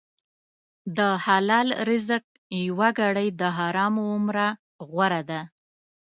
د حلال رزق یوه ګړۍ د حرامو عمره غوره ده.